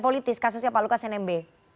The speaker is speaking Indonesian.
politik kasusnya pak lukas tnmb